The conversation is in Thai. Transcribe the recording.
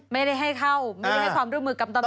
ไม่ได้ให้เข้าไม่ได้ให้ความร่วมมือกับตำรวจ